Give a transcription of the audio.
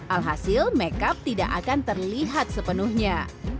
alhasil makeup tidak akan terlihat sepenuhnya